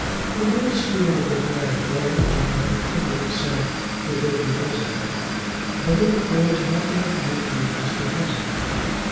A little spirit of rebellion already began to kindle itself within her bosom; but in it there was nothing of mutiny against her husband.